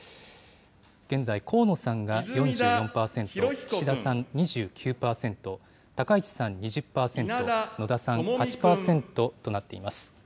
現在、河野さんが４４％、岸田さん２９％、高市さん２０％、野田さん８％となっています。